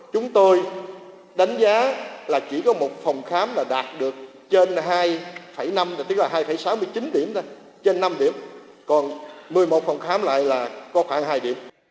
chúng tôi đánh giá là chỉ có một phòng khám đạt được trên hai năm tức là hai sáu mươi chín điểm trên năm điểm còn một mươi một phòng khám lại là có khoảng hai điểm